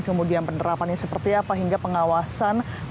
kemudian penerapan yang seperti apa hingga pengawasan